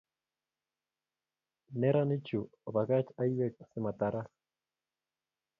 Neranichu opakach aiweek asimatarak